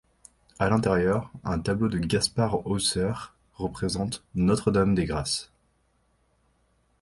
À l'intérieur, un tableau de Gaspard Hauser représente Notre-Dame des Grâces.